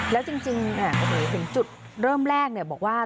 แล้วจริงเห็นจุดเริ่มแรกบอกว่า